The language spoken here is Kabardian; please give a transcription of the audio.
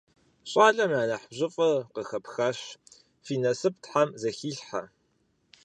Щӏалэм я нэхъ бжьыфӏэр къыхэпхащ, фи насып тхьэм зэхилъхьэ.